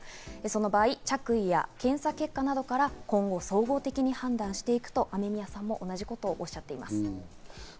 その場合、着衣や検査結果などから、今後総合的に判断していくと、雨宮さんも同じことをおっしゃっています。